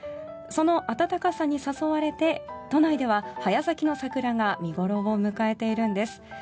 その暖かさに誘われて都内では早咲きの桜が見頃を迎えているんです。